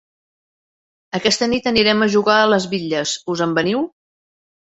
Aquesta nit anirem a jugar a les bitlles, us en veniu?